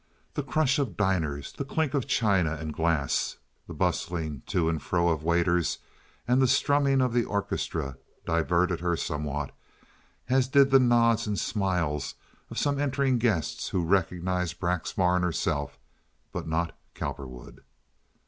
The crush of diners, the clink of china and glass, the bustling to and fro of waiters, and the strumming of the orchestra diverted her somewhat, as did the nods and smiles of some entering guests who recognized Braxmar and herself, but not Cowperwood.